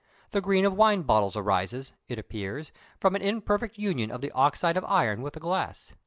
The green of wine bottles arises, it appears, from an imperfect union of the oxyde of iron with the glass.